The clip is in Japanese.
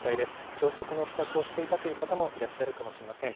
朝食の支度をしていたという方もいらっしゃるかもしれません。